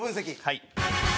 はい。